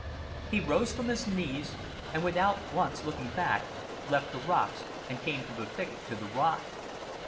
He rose from his knees, and without once looking back left the rocks and came through the thicket to the ride.